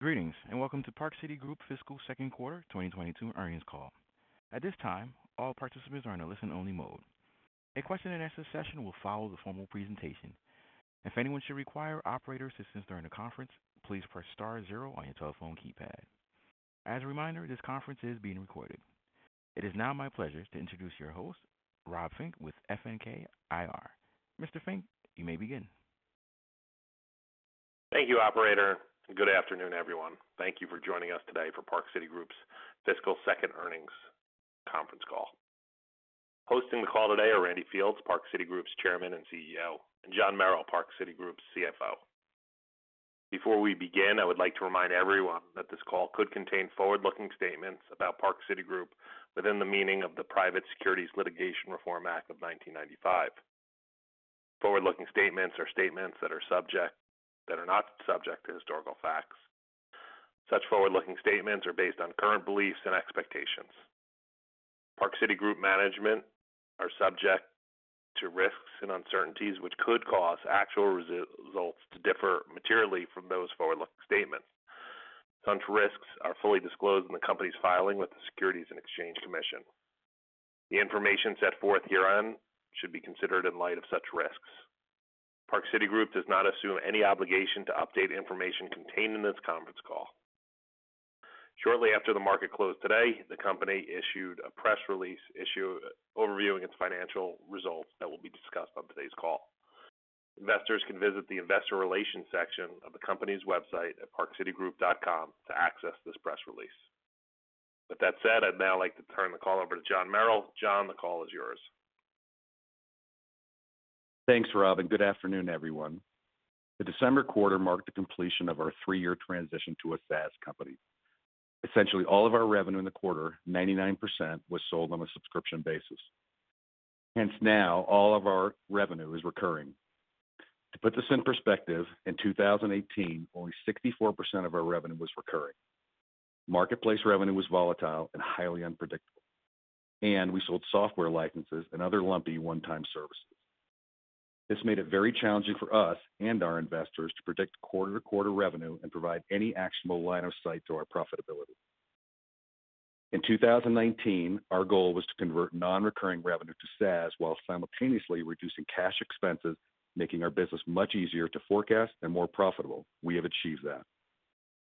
Greetings, and welcome to Park City Group fiscal second quarter 2022 earnings call. At this time, all participants are in a listen-only mode. A question and answer session will follow the formal presentation. If anyone should require operator assistance during the conference, please press star zero on your telephone keypad. As a reminder, this conference is being recorded. It is now my pleasure to introduce your host, Rob Fink, with FNK IR. Mr. Fink, you may begin. Thank you, operator, and good afternoon, everyone. Thank you for joining us today for Park City Group's fiscal second earnings conference call. Hosting the call today are Randy Fields, Park City Group's Chairman and CEO, and John Merrill, Park City Group's CFO. Before we begin, I would like to remind everyone that this call could contain forward-looking statements about Park City Group within the meaning of the Private Securities Litigation Reform Act of 1995. Forward-looking statements are statements that are not subject to historical facts. Such forward-looking statements are based on current beliefs and expectations. Park City Group management are subject to risks and uncertainties, which could cause actual results to differ materially from those forward-looking statements. Such risks are fully disclosed in the company's filing with the Securities and Exchange Commission. The information set forth herein should be considered in light of such risks. Park City Group does not assume any obligation to update information contained in this conference call. Shortly after the market closed today, the company issued a press release overviewing its financial results that will be discussed on today's call. Investors can visit the investor relations section of the company's website at parkcitygroup.com to access this press release. With that said, I'd now like to turn the call over to John Merrill. John, the call is yours. Thanks, Rob, and good afternoon, everyone. The December quarter marked the completion of our three-year transition to a SaaS company. Essentially all of our revenue in the quarter, 99%, was sold on a subscription basis. Hence now all of our revenue is recurring. To put this in perspective, in 2018, only 64% of our revenue was recurring. Marketplace revenue was volatile and highly unpredictable, and we sold software licenses and other lumpy one-time services. This made it very challenging for us and our investors to predict quarter-to-quarter revenue and provide any actionable line of sight to our profitability. In 2019, our goal was to convert non-recurring revenue to SaaS while simultaneously reducing cash expenses, making our business much easier to forecast and more profitable. We have achieved that.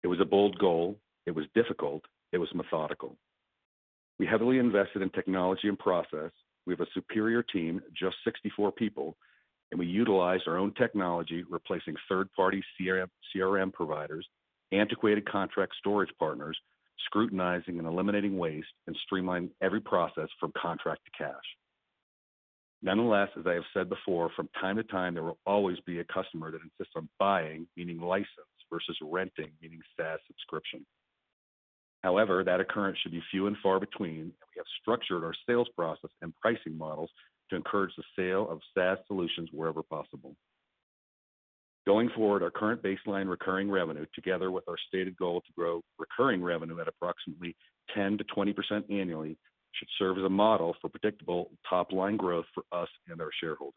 It was a bold goal. It was difficult. It was methodical. We heavily invested in technology and process. We have a superior team, just 64 people, and we utilized our own technology, replacing third-party CRM providers, antiquated contract storage partners, scrutinizing and eliminating waste, and streamlining every process from contract to cash. Nonetheless, as I have said before, from time to time, there will always be a customer that insists on buying, meaning license, versus renting, meaning SaaS subscription. However, that occurrence should be few and far between, and we have structured our sales process and pricing models to encourage the sale of SaaS solutions wherever possible. Going forward, our current baseline recurring revenue, together with our stated goal to grow recurring revenue at approximately 10%-20% annually, should serve as a model for predictable top-line growth for us and our shareholders.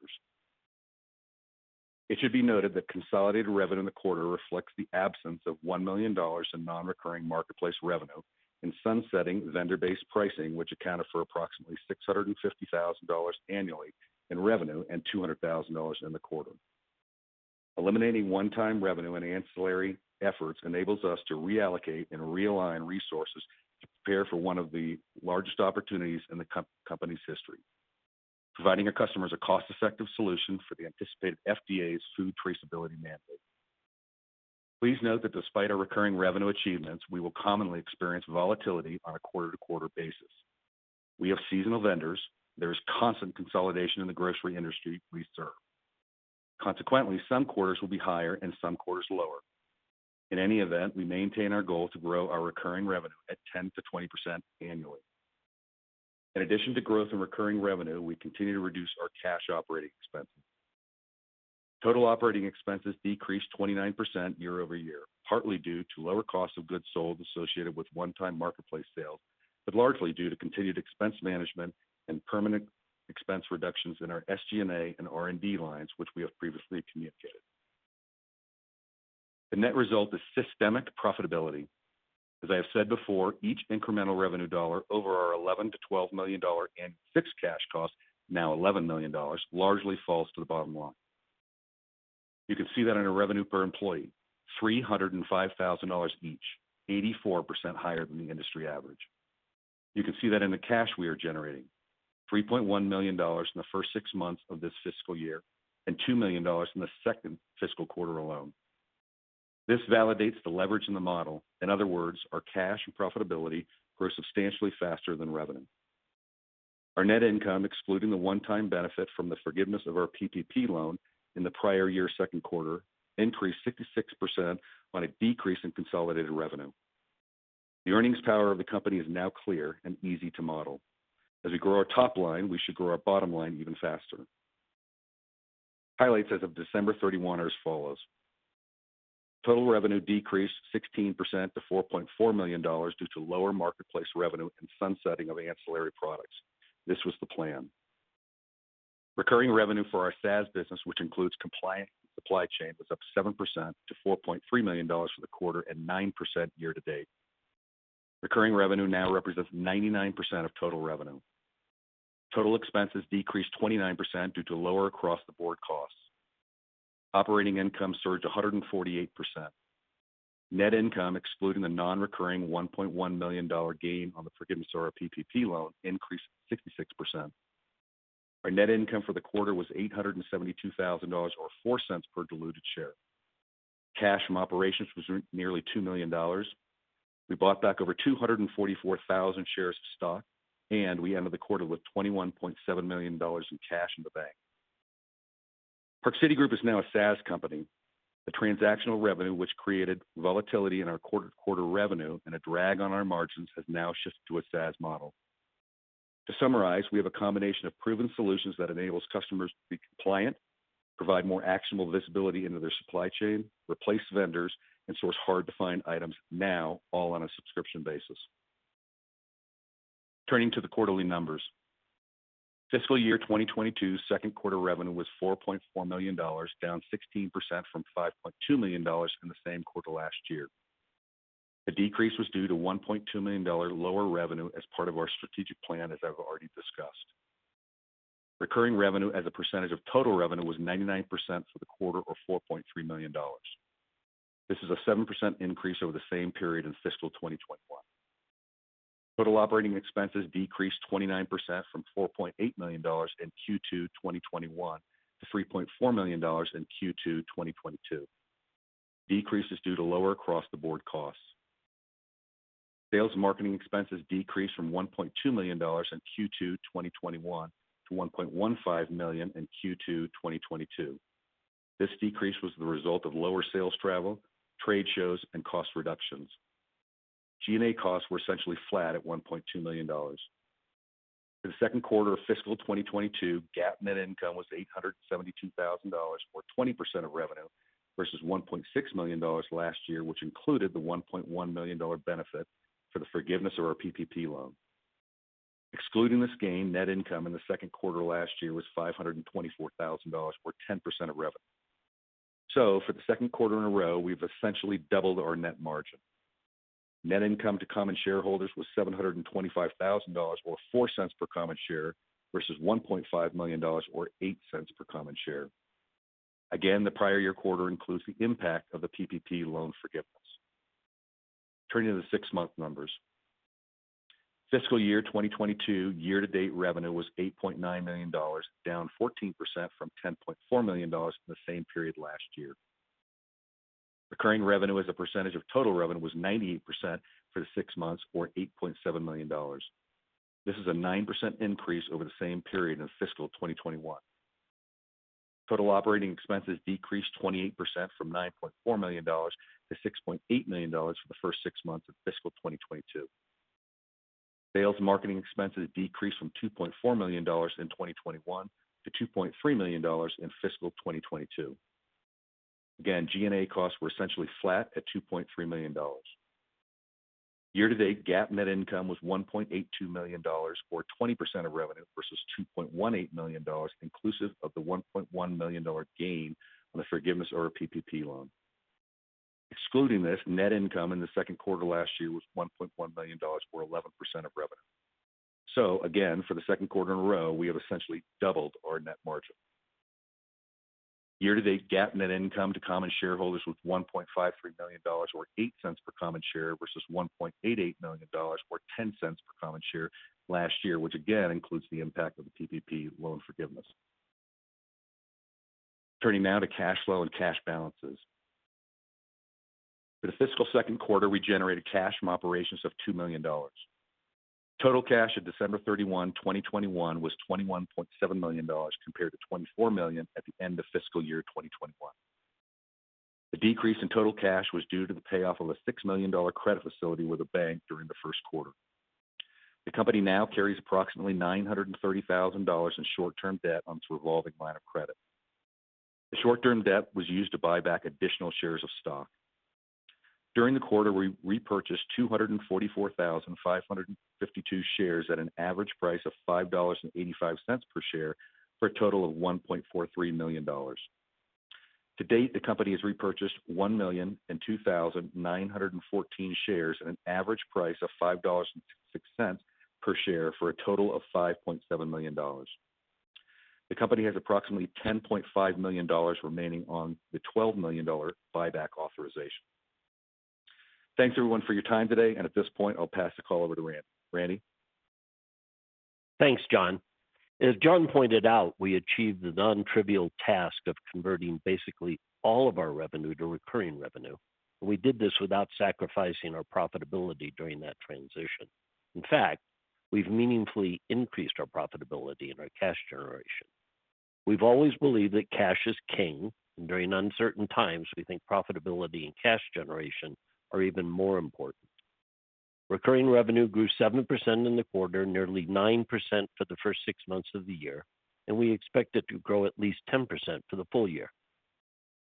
It should be noted that consolidated revenue in the quarter reflects the absence of $1 million in non-recurring marketplace revenue and sunsetting vendor-based pricing, which accounted for approximately $650,000 annually in revenue and $200,000 in the quarter. Eliminating one-time revenue and ancillary efforts enables us to reallocate and realign resources to prepare for one of the largest opportunities in the company's history, providing our customers a cost-effective solution for the anticipated FDA's food traceability mandate. Please note that despite our recurring revenue achievements, we will commonly experience volatility on a quarter-to-quarter basis. We have seasonal vendors. There is constant consolidation in the grocery industry we serve. Consequently, some quarters will be higher and some quarters lower. In any event, we maintain our goal to grow our recurring revenue at 10%-20% annually. In addition to growth in recurring revenue, we continue to reduce our cash operating expenses. Total operating expenses decreased 29% year-over-year, partly due to lower cost of goods sold associated with one-time marketplace sales, but largely due to continued expense management and permanent expense reductions in our SG&A and R&D lines, which we have previously communicated. The net result is systemic profitability. As I have said before, each incremental revenue dollar over our $11 million-$12 million in fixed cash costs, now $11 million, largely falls to the bottom line. You can see that in our revenue per employee, $305,000 each, 84% higher than the industry average. You can see that in the cash we are generating, $3.1 million in the first six months of this fiscal year and $2 million in the second fiscal quarter alone. This validates the leverage in the model. In other words, our cash and profitability grow substantially faster than revenue. Our net income, excluding the one-time benefit from the forgiveness of our PPP loan in the prior year's second quarter, increased 66% on a decrease in consolidated revenue. The earnings power of the company is now clear and easy to model. As we grow our top line, we should grow our bottom line even faster. Highlights as of December 31 are as follows. Total revenue decreased 16% to $4.4 million due to lower marketplace revenue and sunsetting of ancillary products. This was the plan. Recurring revenue for our SaaS business, which includes compliance and supply chain, was up 7% to $4.3 million for the quarter, and 9% year-to-date. Recurring revenue now represents 99% of total revenue. Total expenses decreased 29% due to lower across-the-board costs. Operating income surged 148%. Net income, excluding the non-recurring $1.1 million gain on the forgiveness of our PPP loan, increased 66%. Our net income for the quarter was $872,000 or $0.04 per diluted share. Cash from operations was nearly $2 million. We bought back over 244,000 shares of stock, and we ended the quarter with $21.7 million in cash in the bank. Park City Group is now a SaaS company. The transactional revenue, which created volatility in our quarter-to-quarter revenue and a drag on our margins, has now shifted to a SaaS model. To summarize, we have a combination of proven solutions that enables customers to be compliant, provide more actionable visibility into their supply chain, replace vendors, and source hard-to-find items now all on a subscription basis. Turning to the quarterly numbers. Fiscal year 2022 second quarter revenue was $4.4 million, down 16% from $5.2 million in the same quarter last year. The decrease was due to $1.2 million lower revenue as part of our strategic plan, as I've already discussed. Recurring revenue as a percentage of total revenue was 99% for the quarter, or $4.3 million. This is a 7% increase over the same period in fiscal 2021. Total operating expenses decreased 29% from $4.8 million in Q2 2021 to $3.4 million in Q2 2022. Decrease is due to lower across-the-board costs. Sales and marketing expenses decreased from $1.2 million in Q2 2021 to $1.15 million in Q2 2022. This decrease was the result of lower sales travel, trade shows, and cost reductions. G&A costs were essentially flat at $1.2 million. In the second quarter of fiscal 2022, GAAP net income was $872,000, or 20% of revenue, versus $1.6 million last year, which included the $1.1 million benefit for the forgiveness of our PPP loan. Excluding this gain, net income in the second quarter last year was $524 thousand, or 10% of revenue. For the second quarter in a row, we've essentially doubled our net margin. Net income to common shareholders was $725 thousand or $0.04 per common share versus $1.5 million or $0.08 per common share. Again, the prior year quarter includes the impact of the PPP loan forgiveness. Turning to the six-month numbers. Fiscal year 2022 year-to-date revenue was $8.9 million, down 14% from $10.4 million in the same period last year. Recurring revenue as a percentage of total revenue was 98% for the six months, or $8.7 million. This is a 9% increase over the same period in fiscal 2021. Total operating expenses decreased 28% from $9.4 million to $6.8 million for the first six months of fiscal 2022. Sales marketing expenses decreased from $2.4 million in 2021 to $2.3 million in fiscal 2022. Again, G&A costs were essentially flat at $2.3 million. Year-to-date GAAP net income was $1.82 million, or 20% of revenue, versus $2.18 million inclusive of the $1.1 million gain on the forgiveness of our PPP loan. Excluding this, net income in the second quarter last year was $1.1 million, or 11% of revenue. Again, for the second quarter in a row, we have essentially doubled our net margin. Year-to-date GAAP net income to common shareholders was $1.53 million or $0.08 per common share versus $1.88 million or $0.10 per common share last year, which again includes the impact of the PPP loan forgiveness. Turning now to cash flow and cash balances. For the fiscal second quarter, we generated cash from operations of $2 million. Total cash at December 31, 2021 was $21.7 million compared to $24 million at the end of fiscal year 2021. The decrease in total cash was due to the payoff of a $6 million credit facility with a bank during the first quarter. The company now carries approximately $930,000 in short-term debt on its revolving line of credit. The short-term debt was used to buy back additional shares of stock. During the quarter, we repurchased 244,552 shares at an average price of $5.85 per share, for a total of $1.43 million. To date, the company has repurchased 1,002,914 shares at an average price of $5.06 per share for a total of $5.7 million. The company has approximately $10.5 million remaining on the $12 million buyback authorization. Thanks, everyone, for your time today. At this point, I'll pass the call over to Randy. Randy? Thanks, John. As John pointed out, we achieved the non-trivial task of converting basically all of our revenue to recurring revenue. We did this without sacrificing our profitability during that transition. In fact, we've meaningfully increased our profitability and our cash generation. We've always believed that cash is king. During uncertain times, we think profitability and cash generation are even more important. Recurring revenue grew 7% in the quarter, nearly 9% for the first 6 months of the year, and we expect it to grow at least 10% for the full year.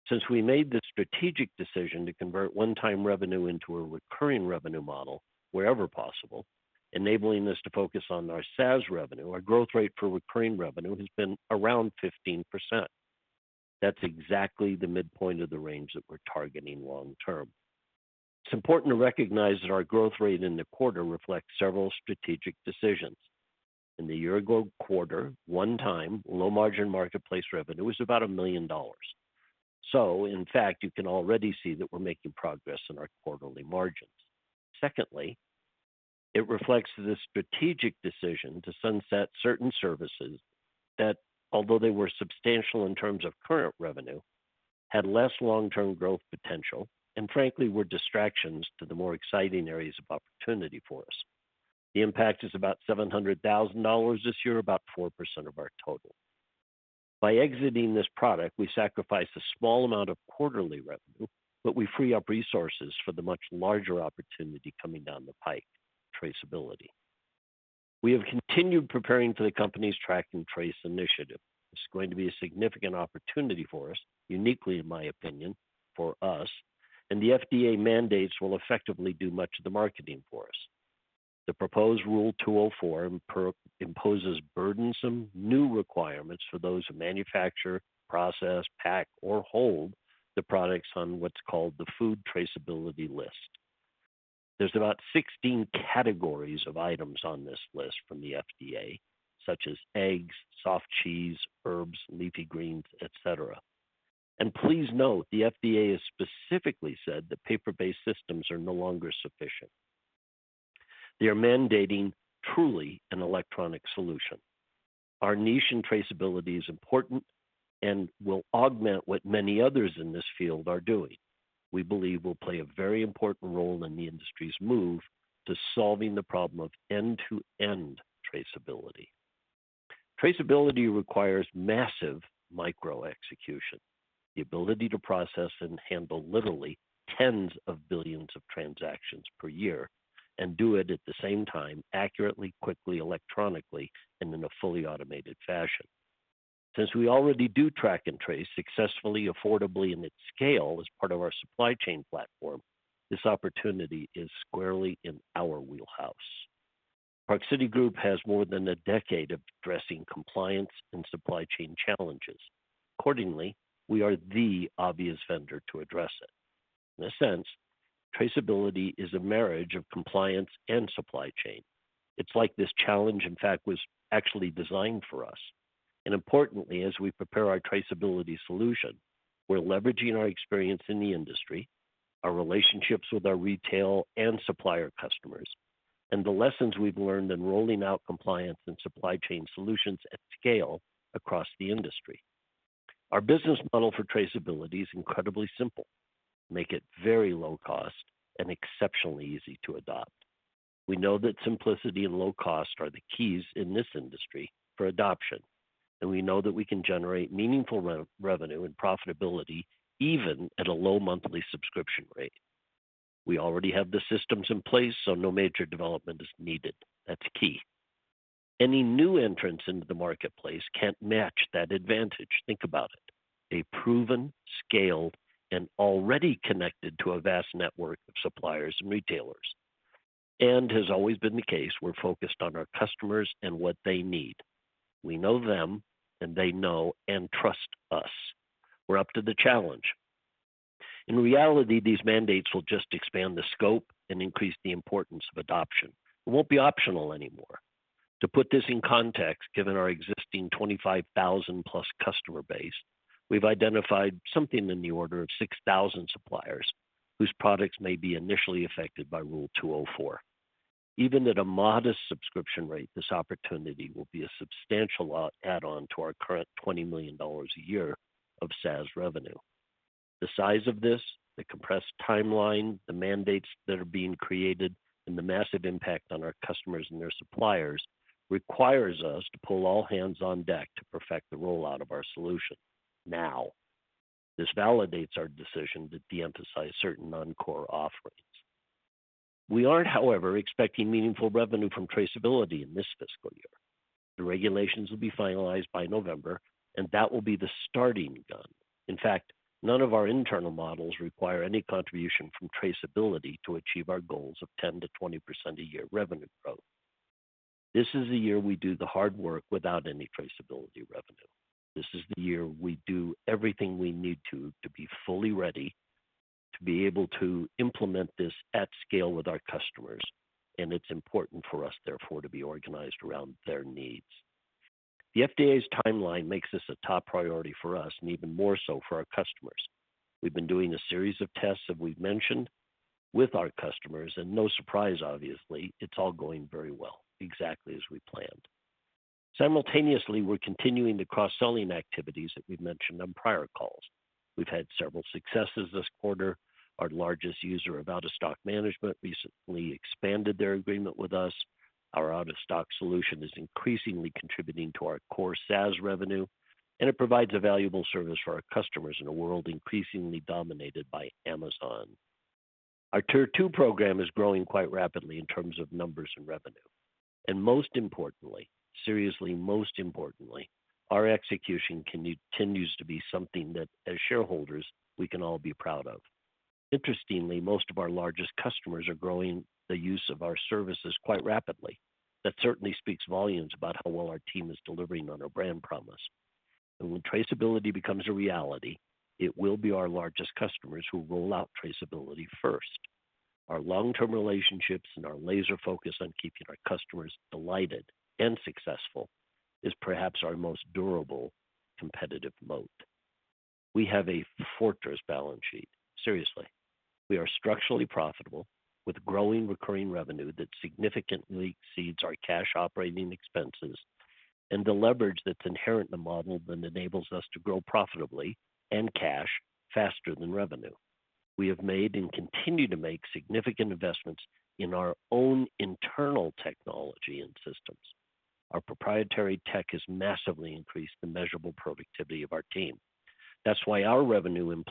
Since we made the strategic decision to convert one-time revenue into a recurring revenue model wherever possible, enabling us to focus on our SaaS revenue, our growth rate for recurring revenue has been around 15%. That's exactly the midpoint of the range that we're targeting long term. It's important to recognize that our growth rate in the quarter reflects several strategic decisions. In the year-ago quarter, one-time low-margin marketplace revenue was about $1 million. In fact, you can already see that we're making progress in our quarterly margins. Secondly, it reflects the strategic decision to sunset certain services that, although they were substantial in terms of current revenue, had less long-term growth potential and frankly were distractions to the more exciting areas of opportunity for us. The impact is about $700,000 this year, about 4% of our total. By exiting this product, we sacrifice a small amount of quarterly revenue, but we free up resources for the much larger opportunity coming down the pike, traceability. We have continued preparing for the company's track and trace initiative. This is going to be a significant opportunity for us, uniquely in my opinion, for us, and the FDA mandates will effectively do much of the marketing for us. The proposed Rule 204 imposes burdensome new requirements for those who manufacture, process, pack, or hold the products on what's called the Food Traceability List. There's about 16 categories of items on this list from the FDA, such as eggs, soft cheese, herbs, leafy greens, et cetera. Please note, the FDA has specifically said that paper-based systems are no longer sufficient. They are mandating truly an electronic solution. Our niche in traceability is important and will augment what many others in this field are doing. We believe we'll play a very important role in the industry's move to solving the problem of end-to-end traceability. Traceability requires massive micro execution, the ability to process and handle literally tens of billions of transactions per year and do it at the same time accurately, quickly, electronically, and in a fully automated fashion. Since we already do track and trace successfully, affordably, and at scale as part of our supply chain platform, this opportunity is squarely in our wheelhouse. Park City Group has more than a decade of addressing compliance and supply chain challenges. Accordingly, we are the obvious vendor to address it. In a sense, traceability is a marriage of compliance and supply chain. It's like this challenge, in fact, was actually designed for us. Importantly, as we prepare our traceability solution, we're leveraging our experience in the industry, our relationships with our retail and supplier customers, and the lessons we've learned in rolling out compliance and supply chain solutions at scale across the industry. Our business model for traceability is incredibly simple. Make it very low cost and exceptionally easy to adopt. We know that simplicity and low cost are the keys in this industry for adoption, and we know that we can generate meaningful revenue and profitability even at a low monthly subscription rate. We already have the systems in place, so no major development is needed. That's key. Any new entrants into the marketplace can't match that advantage. Think about it, a proven scale and already connected to a vast network of suppliers and retailers. Has always been the case, we're focused on our customers and what they need. We know them, and they know and trust us. We're up to the challenge. In reality, these mandates will just expand the scope and increase the importance of adoption. It won't be optional anymore. To put this in context, given our existing 25,000-plus customer base, we've identified something in the order of 6,000 suppliers whose products may be initially affected by Rule 204. Even at a modest subscription rate, this opportunity will be a substantial add-on to our current $20 million a year of SaaS revenue. The size of this, the compressed timeline, the mandates that are being created, and the massive impact on our customers and their suppliers requires us to pull all hands on deck to perfect the rollout of our solution now. This validates our decision to de-emphasize certain non-core offerings. We aren't, however, expecting meaningful revenue from traceability in this fiscal year. The regulations will be finalized by November, and that will be the starting gun. In fact, none of our internal models require any contribution from traceability to achieve our goals of 10%-20% a year revenue growth. This is the year we do the hard work without any traceability revenue. This is the year we do everything we need to be fully ready to be able to implement this at scale with our customers, and it's important for us, therefore, to be organized around their needs. The FDA's timeline makes this a top priority for us and even more so for our customers. We've been doing a series of tests that we've mentioned with our customers, and no surprise, obviously, it's all going very well, exactly as we planned. Simultaneously, we're continuing the cross-selling activities that we've mentioned on prior calls. We've had several successes this quarter. Our largest user of out-of-stock management recently expanded their agreement with us. Our out-of-stock solution is increasingly contributing to our core SaaS revenue, and it provides a valuable service for our customers in a world increasingly dominated by Amazon. Our tier two program is growing quite rapidly in terms of numbers and revenue, and most importantly, seriously, our execution continues to be something that as shareholders, we can all be proud of. Interestingly, most of our largest customers are growing the use of our services quite rapidly. That certainly speaks volumes about how well our team is delivering on our brand promise. When traceability becomes a reality, it will be our largest customers who roll out traceability first. Our long-term relationships and our laser focus on keeping our customers delighted and successful is perhaps our most durable competitive moat. We have a fortress balance sheet. Seriously. We are structurally profitable with growing recurring revenue that significantly exceeds our cash operating expenses and the leverage that's inherent in the model that enables us to grow profitably and cash faster than revenue. We have made and continue to make significant investments in our own internal technology and systems. Our proprietary tech has massively increased the measurable productivity of our team. That's why our revenue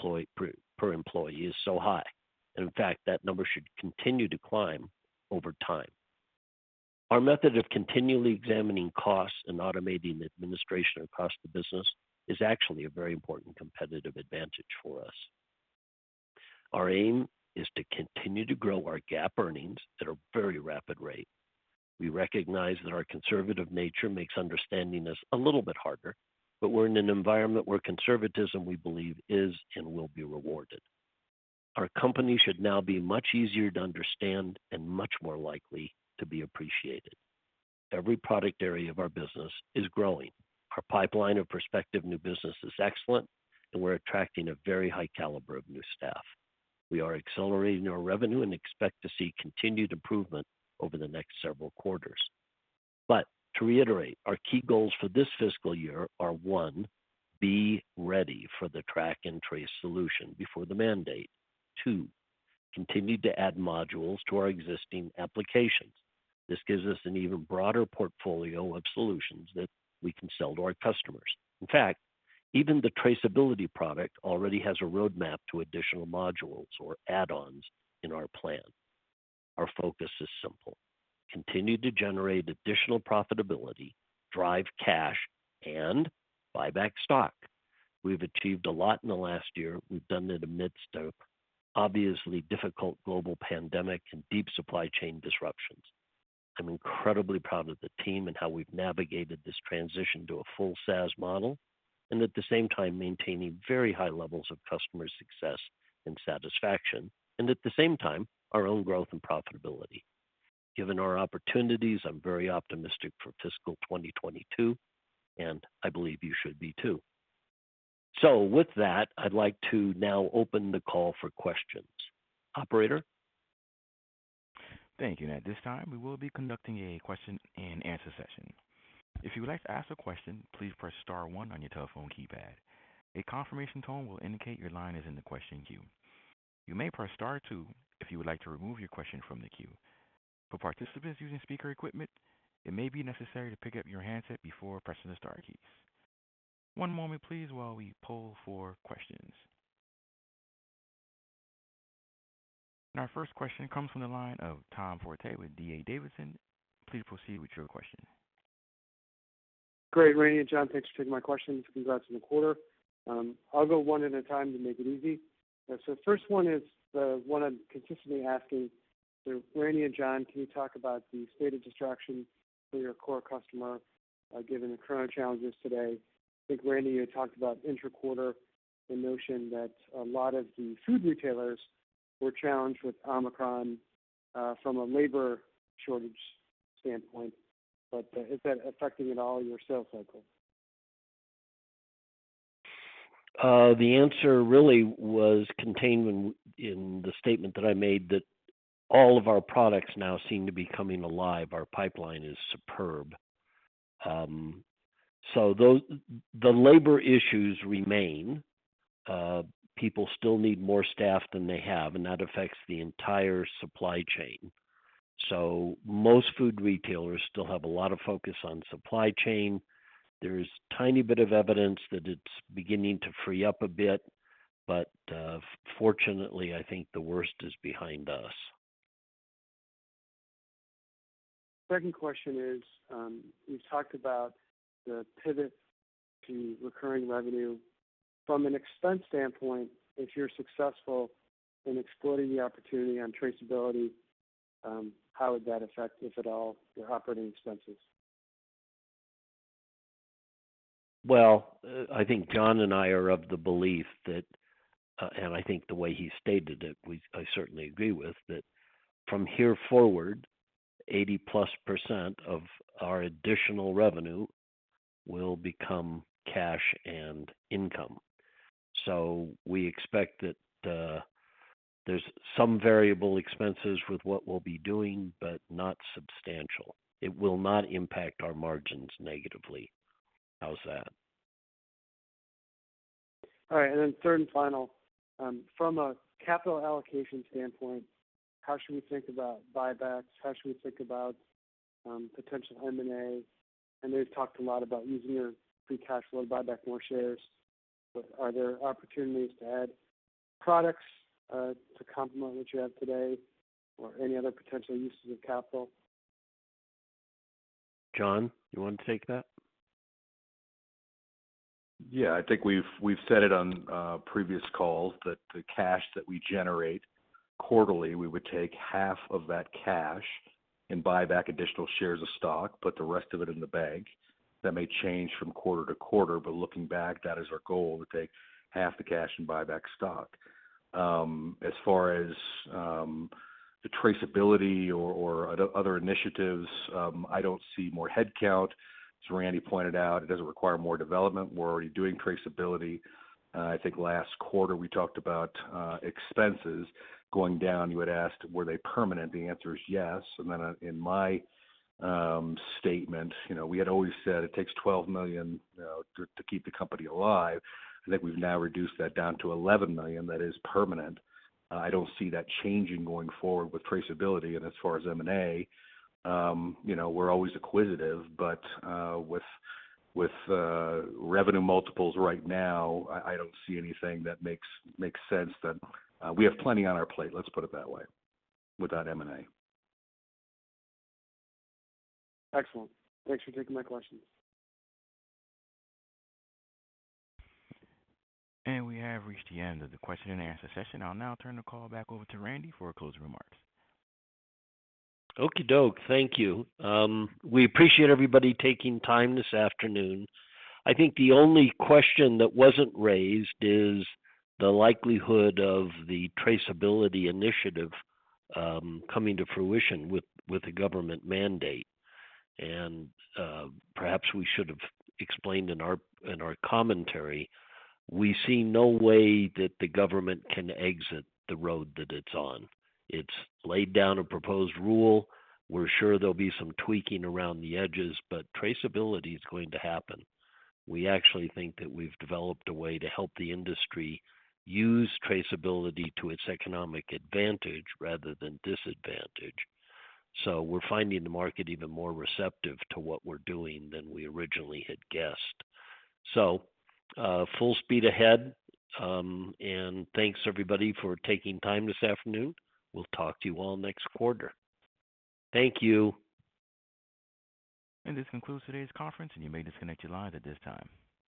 per employee is so high. In fact, that number should continue to climb over time. Our method of continually examining costs and automating administration across the business is actually a very important competitive advantage for us. Our aim is to continue to grow our GAAP earnings at a very rapid rate. We recognize that our conservative nature makes understanding us a little bit harder, but we're in an environment where conservatism, we believe, is and will be rewarded. Our company should now be much easier to understand and much more likely to be appreciated. Every product area of our business is growing. Our pipeline of prospective new business is excellent, and we're attracting a very high caliber of new staff. We are accelerating our revenue and expect to see continued improvement over the next several quarters. To reiterate, our key goals for this fiscal year are, one, be ready for the track and trace solution before the mandate. Two, continue to add modules to our existing applications. This gives us an even broader portfolio of solutions that we can sell to our customers. In fact, even the traceability product already has a roadmap to additional modules or add-ons in our plan. Our focus is simple, continue to generate additional profitability, drive cash, and buy back stock. We've achieved a lot in the last year. We've done it amidst an obviously difficult global pandemic and deep supply chain disruptions. I'm incredibly proud of the team and how we've navigated this transition to a full SaaS model and at the same time maintaining very high levels of customer success and satisfaction and at the same time, our own growth and profitability. Given our opportunities, I'm very optimistic for fiscal 2022, and I believe you should be too. With that, I'd like to now open the call for questions. Operator. Thank you. At this time, we will be conducting a question and answer session. If you would like to ask a question, please press star one on your telephone keypad. A confirmation tone will indicate your line is in the question queue. You may press star two if you would like to remove your question from the queue. For participants using speaker equipment, it may be necessary to pick up your handset before pressing the star keys. One moment, please, while we poll for questions. Our first question comes from the line of Tom Forte with D.A. Davidson. Please proceed with your question. Great. Randy and John, thanks for taking my questions. Congrats on the quarter. I'll go one at a time to make it easy. First one is the one I'm consistently asking. Randy and John, can you talk about the state of distraction for your core customer, given the current challenges today? I think, Randy, you had talked about intra-quarter the notion that a lot of the food retailers were challenged with Omicron, from a labor shortage standpoint, but is that affecting at all your sales cycle? The answer really was contained in the statement that I made that all of our products now seem to be coming alive. Our pipeline is superb. The labor issues remain. People still need more staff than they have, and that affects the entire supply chain. Most food retailers still have a lot of focus on supply chain. There's a tiny bit of evidence that it's beginning to free up a bit, but fortunately, I think the worst is behind us. Second question is, you talked about the pivot to recurring revenue. From an expense standpoint, if you're successful in exploiting the opportunity on traceability, how would that affect, if at all, your operating expenses? Well, I think John and I are of the belief that, and I think the way he stated it, I certainly agree with, that from here forward, 80%+ of our additional revenue will become cash and income. We expect that, there's some variable expenses with what we'll be doing, but not substantial. It will not impact our margins negatively. How's that? All right. Third and final, from a capital allocation standpoint, how should we think about buybacks? How should we think about potential M&A? I know you've talked a lot about using your free cash flow to buy back more shares. Are there opportunities to add products to complement what you have today or any other potential uses of capital? John, you want to take that? Yeah. I think we've said it on previous calls that the cash that we generate quarterly, we would take half of that cash and buy back additional shares of stock, put the rest of it in the bank. That may change from quarter to quarter, but looking back, that is our goal, to take half the cash and buy back stock. As far as the traceability or other initiatives, I don't see more headcount. As Randy pointed out, it doesn't require more development. We're already doing traceability. I think last quarter we talked about expenses going down. You had asked were they permanent? The answer is yes. In my statement, you know, we had always said it takes $12 million, you know, to keep the company alive. I think we've now reduced that down to $11 million. That is permanent. I don't see that changing going forward with traceability. As far as M&A, you know, we're always acquisitive, but with revenue multiples right now, I don't see anything that makes sense. We have plenty on our plate, let's put it that way, without M&A. Excellent. Thanks for taking my questions. We have reached the end of the question and answer session. I'll now turn the call back over to Randy for closing remarks. Okey-doke. Thank you. We appreciate everybody taking time this afternoon. I think the only question that wasn't raised is the likelihood of the traceability initiative coming to fruition with a government mandate. Perhaps we should have explained in our commentary. We see no way that the government can exit the road that it's on. It's laid down a proposed rule. We're sure there'll be some tweaking around the edges, but traceability is going to happen. We actually think that we've developed a way to help the industry use traceability to its economic advantage rather than disadvantage. We're finding the market even more receptive to what we're doing than we originally had guessed. Full speed ahead. Thanks everybody for taking time this afternoon. We'll talk to you all next quarter. Thank you. This concludes today's conference, and you may disconnect your lines at this time.